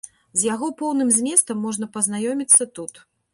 З яго поўным зместам можна пазнаёміцца тут.